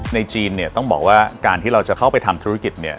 ในจีนต้องบอกว่าการที่เราจะเข้าไปทำธุรกิจ